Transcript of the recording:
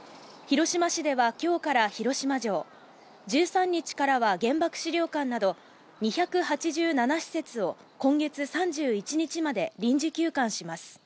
広島市では今日から広島城、１３日からは原爆資料館など、２８７施設を今月３１日まで臨時休館します。